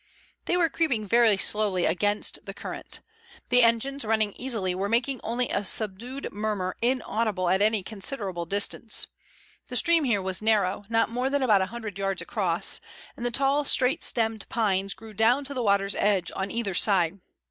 They were creeping up very slowly against the current. The engines, running easily, were making only a subdued murmur inaudible at any considerable distance. The stream here was narrow, not more than about a hundred yards across, and the tall, straight stemmed pines grew down to the water's edge on either side.